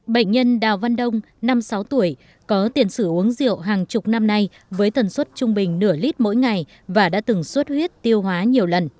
bệnh nhân đào văn đông năm sáu tuổi có tiền sử uống rượu hàng chục năm nay với tần suất trung bình nửa lít mỗi ngày và đã từng suất huyết tiêu hóa nhiều lần